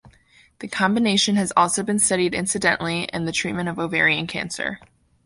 The combination has also been studied incidentally in the treatment of ovarian cancer.